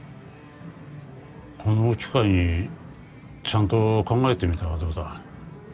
この機会にちゃんと考えてみたらどうだ？